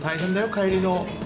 帰りの。